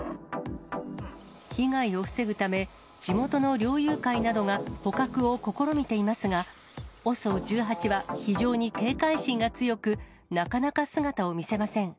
被害を防ぐため、地元の猟友会などが捕獲を試みていますが、ＯＳＯ１８は非常に警戒心が強く、なかなか姿を見せません。